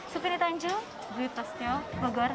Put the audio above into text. supriri tanju dwi pastel pogor jawa barat